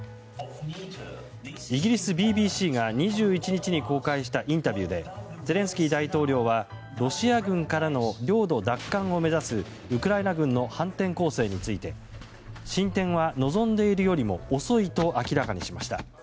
イギリスＢＢＣが２１日に公開したインタビューでゼレンスキー大統領はロシア軍からの領土奪還を目指すウクライナ軍の反転攻勢について進展は望んでいるよりも遅いと明らかにしました。